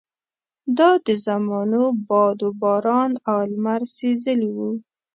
دا د زمانو باد وباران او لمر سېزلي وو.